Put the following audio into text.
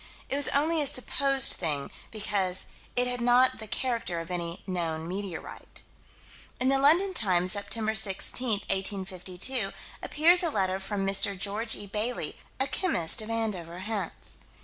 It was only a "supposed" thing, because "It had not the character of any known meteorite." In the London Times, Sept. 16, 1852, appears a letter from Mr. George E. Bailey, a chemist of Andover, Hants.